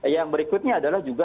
yang berikutnya adalah juga